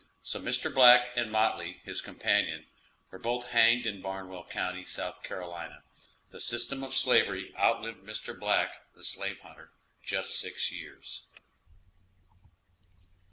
So Mr. Black and Motley, his companion, were both hanged in Barnwell county, S.C. The system of slavery outlived Mr. Black, the slave hunter, just six years.